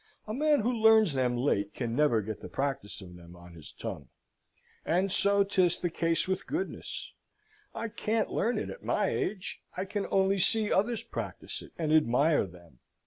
A man who learns them late can never get the practice of them on his tongue. And so 'tis the case with goodness, I can't learn it at my age. I can only see others practise it, and admire them.